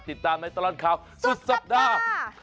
ติดตามในตลอดข่าวสุดสัปดาห์